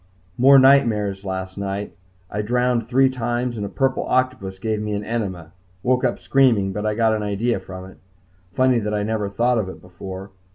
More nightmares last night. I drowned three times and a purple octopus gave me an enema. Woke up screaming, but got an idea from it. Funny that I never thought of it before.